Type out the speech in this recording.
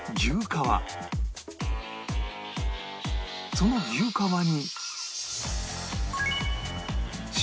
その牛革に